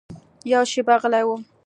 يوه شېبه غلى و.